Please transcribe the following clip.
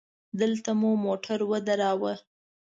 دغلته مو موټر ودراوه.